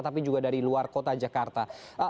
tapi juga dari luar kota jakarta